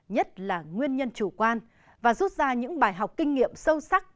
nhất là nguyên nhân chủ quan và rút ra những bài học kinh nghiệm sâu sắc